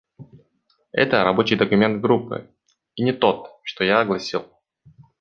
Это рабочий документ Группы, и не тот, что я огласил.